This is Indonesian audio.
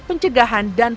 pencegahan dan pembangunan